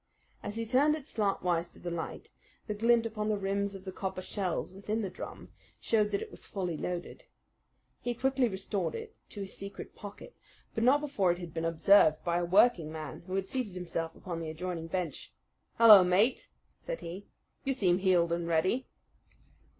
As he turned it slantwise to the light, the glint upon the rims of the copper shells within the drum showed that it was fully loaded. He quickly restored it to his secret pocket, but not before it had been observed by a working man who had seated himself upon the adjoining bench. "Hullo, mate!" said he. "You seem heeled and ready."